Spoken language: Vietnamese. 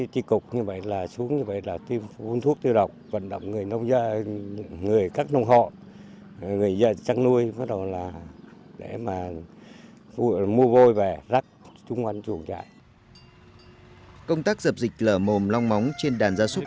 tri cục trăn nuôi và thú y đã tạm ứng vaccine cho huyện crong bông một mươi liều vaccine để tiêm phòng cho đàn gia súc